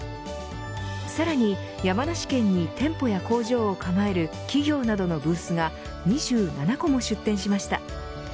さらに山梨県に店舗や工場を構える企業などのブースが２７個も出展しました。